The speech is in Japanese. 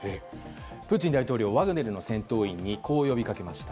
プーチン大統領ワグネルの戦闘員にこう呼びかけました。